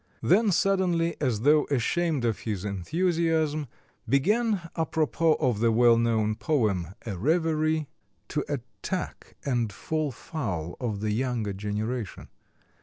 Then suddenly, as though ashamed of his enthusiasm, began, à propos of the well known poem, "A Reverie," to attack and fall foul of the younger generation.